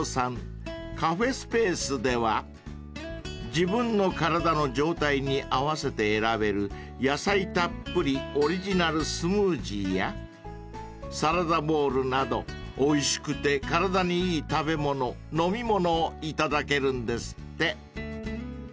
カフェスペースでは自分の体の状態に合わせて選べる野菜たっぷりオリジナルスムージーやサラダボウルなどおいしくて体にいい食べ物飲み物を頂けるんですって］